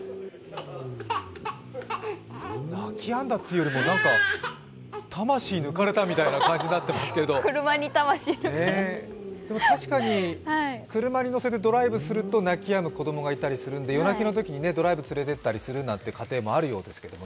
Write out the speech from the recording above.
泣きやんだというよりも、なんか魂抜かれたみたいな感じだけど、確かに車に乗せてドライブすると泣き止んだりする子供がいるので、夜泣きのときにドライブ連れていったりする家庭もあるみたいですけど。